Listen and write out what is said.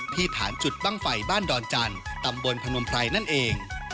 ที่ฐานจุดบ้างไฟบ้านดอนจันทร์ตำบลพนมไพรนั่นเอง